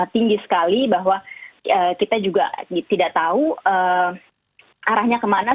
tinggi sekali bahwa kita juga tidak tahu arahnya kemana